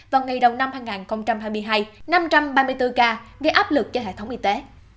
vào ngày đầu năm hai nghìn hai mươi hai năm trăm ba mươi bốn ca gây áp lực cho hệ thống y tế